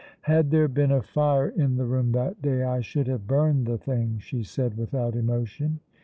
"Had there been a fire in the room that day I should have burned the thing," she said without emotion.